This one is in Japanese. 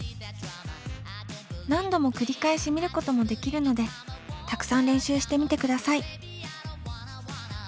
何度も繰り返し見ることもできるのでたくさん練習してみてください。